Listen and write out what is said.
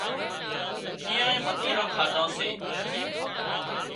ايئانئي متيران ڪاڌان سي